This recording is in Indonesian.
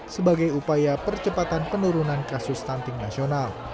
sebagai upaya percepatan penurunan kasus stunting nasional